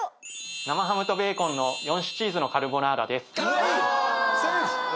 生ハムとベーコンの４種チーズのカルボナーラです。